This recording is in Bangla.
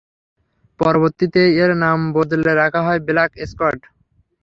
পরবর্তীতে, এর নাম বদলে রাখা হয় ব্ল্যাক স্কোয়াড।